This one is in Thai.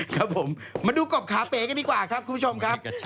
ครับผมมาดูกบขาเป๋กันดีกว่าครับคุณผู้ชมครับ